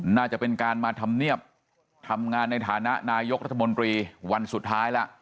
น่าจะเป็นการมาทำเนียบทำงานในฐานะนายกรัฐมนตรีวันสุดท้ายแล้ว